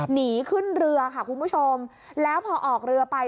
หนีขึ้นเรือค่ะคุณผู้ชมแล้วพอออกเรือไป